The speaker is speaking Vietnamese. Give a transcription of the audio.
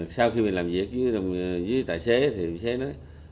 sau khi mình làm việc với tài xế thì tài xế nói